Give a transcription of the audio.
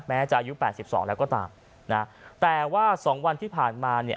แม้จะอายุแปดสิบสองแล้วก็ตามนะแต่ว่าสองวันที่ผ่านมาเนี่ย